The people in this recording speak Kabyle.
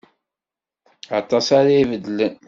Aṭas ara ibeddlen.